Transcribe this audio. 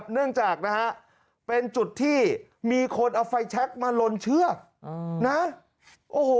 เนื่องจากเป็นจุดที่มีคนเอาไฟแช็คมาลนเชือก